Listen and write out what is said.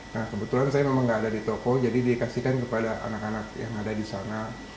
nah kebetulan saya memang nggak ada di toko jadi dikasihkan kepada anak anak yang ada di sana